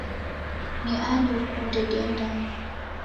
Ni ani ukunde diendanye?